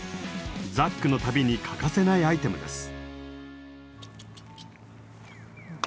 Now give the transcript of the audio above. ザックの旅に欠かせないアイテムです。